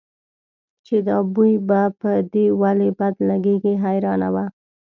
چې دا بوی به په دې ولې بد لګېږي حیرانه وه.